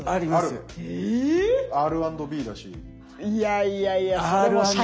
いやいやいやそれ